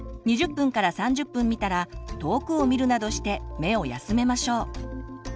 ２０３０分見たら遠くを見るなどして目を休めましょう。